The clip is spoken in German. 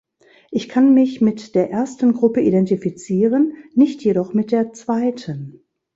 Ich kann mich mit der ersten Gruppe identifizieren, nicht jedoch mit der zweiten.